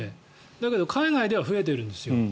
だけど海外では増えてるんです。